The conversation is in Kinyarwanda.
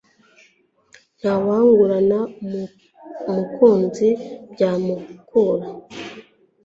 nta wangurana umukinzi byamukura